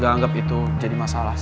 gak anggap itu jadi masalah sih